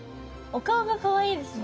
お顔がかわいいですね。